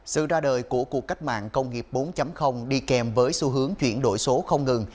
sự ra đời của cuộc cách mạng công nghiệp bốn đi kèm với xu hướng chuyển đổi số không ngừng